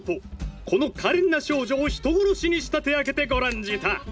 この可憐な少女を人殺しに仕立て上げてご覧じた！